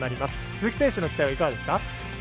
鈴木選手の期待は、いかがですか。